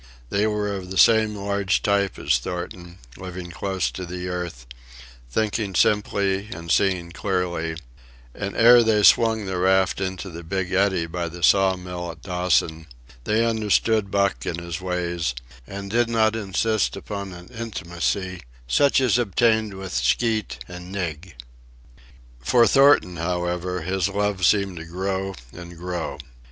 They were of the same large type as Thornton, living close to the earth, thinking simply and seeing clearly; and ere they swung the raft into the big eddy by the saw mill at Dawson, they understood Buck and his ways, and did not insist upon an intimacy such as obtained with Skeet and Nig. For Thornton, however, his love seemed to grow and grow.